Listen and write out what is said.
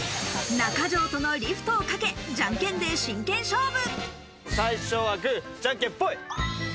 中条とのリフトをかけジャンケンで真剣勝負。